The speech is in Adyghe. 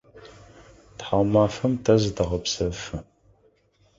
Тхьаумафэм тэ зытэгъэпсэфы.